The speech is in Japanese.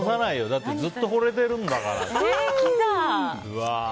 だってずっとほれてるんだから。